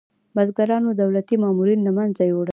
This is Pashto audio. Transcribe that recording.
بزګرانو دولتي مامورین له منځه یوړل.